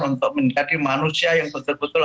untuk menjadi manusia yang betul betul